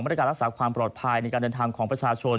รักษาการรักษาความปลอดภัยในการเดินทางของประชาชน